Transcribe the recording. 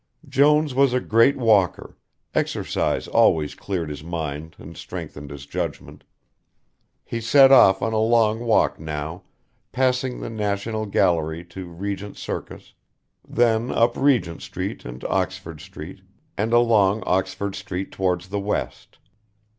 Jones was a great walker, exercise always cleared his mind and strengthened his judgment. He set off on a long walk now, passing the National Gallery to Regent Circus, then up Regent Street and Oxford Street, and along Oxford Street towards the West.